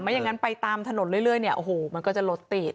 อย่างนั้นไปตามถนนเรื่อยเนี่ยโอ้โหมันก็จะรถติด